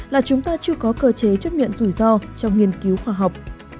là chúng ta chưa có cơ chế chất lượng rủi ro trong nghiên cứu khoa học